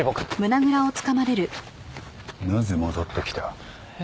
なぜ戻ってきた？え？